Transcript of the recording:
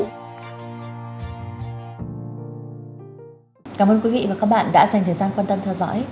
cảm ơn quý vị và các bạn đã dành thời gian quan tâm theo dõi xin kính chào tạm biệt và hẹn gặp lại